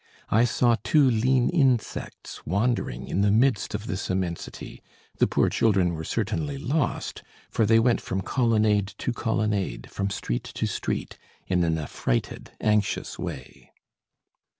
I saw two lean insects wandering in the midst of this immensity; the poor children were certainly lost, for they went from colonnade to colonnade, from street to street, in an affrighted, anxious way.